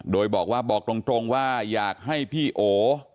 โดยบอกว่าบอกตรงว่าอยากให้พี่โอ